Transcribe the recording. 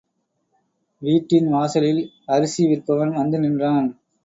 வீட்டின் வாசலில் அரிசி விற்பவன் வந்து நின்றான்.